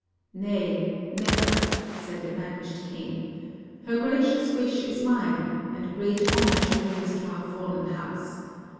" "Nay, never," said the banished king. "Her gracious wish is mine, and great honor she brings to our fallen house.